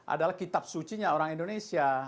adalah kitab suci nya orang indonesia